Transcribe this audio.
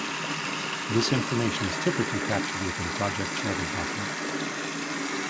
This information is typically captured within project charter document.